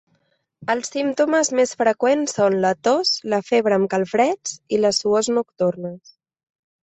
Els símptomes més freqüents són la tos, la febre amb calfreds i les suors nocturnes.